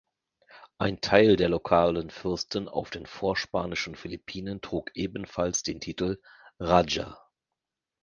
Ein Teil der lokalen Fürsten auf den vorspanischen Philippinen trug ebenfalls den Titel "Raja".